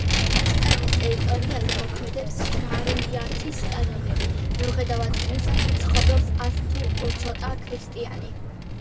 შტატის ტერიტორიაზე მოქმედებს შარიათის კანონები, მიუხედავად იმისა, რომ ცხოვრობს არც თუ ცოტა ქრისტიანი.